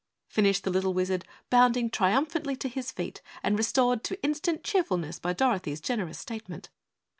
finished the little Wizard, bounding triumphantly to his feet and restored to instant cheerfulness by Dorothy's generous statement.